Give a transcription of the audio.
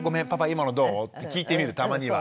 今のどう？」って聞いてみるたまには。